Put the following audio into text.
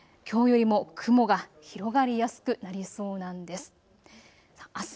きょうよりも雲が広がりやすくなりそうなんです。